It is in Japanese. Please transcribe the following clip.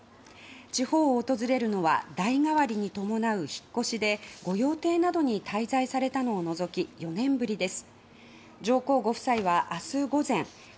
地方を訪れるのは代替わりに伴う引越しで御用邸などに滞在されたのを除き４年ぶりです。